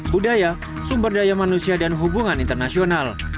budaya sumber daya manusia dan hubungan internasional